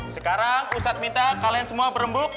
sekarang ustadz minta kalian semua berembuk